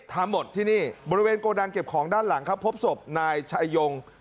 ทำหมดที่นี่บริเวณโกดังเก็บของด้านหลังครับพบศพนายชายง